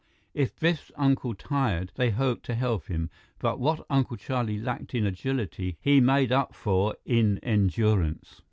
If Biff's uncle tired, they hoped to help him; but what Uncle Charlie lacked in agility, he made up for in endurance.